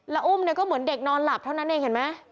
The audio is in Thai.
แล้วอุ้มเนี่ยก็เหมือนเด็กนอนหลับเท่านั้นเองเห็นไหม